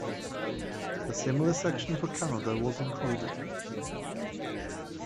A similar section for Canada was included.